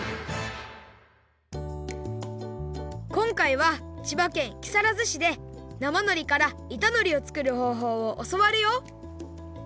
こんかいは千葉県木更津市で生のりからいたのりをつくるほうほうをおそわるよ！